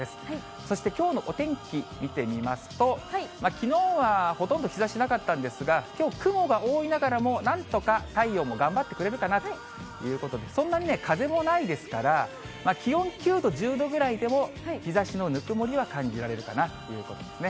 そしてきょうのお天気、見てみますと、きのうはほとんど日ざしなかったんですが、きょう、雲が多いながらも、なんとか太陽も頑張ってくれるかなということで、そんなにね、風もないですから、気温９度、１０度ぐらいでも、日ざしのぬくもりは感じられるかなということですね。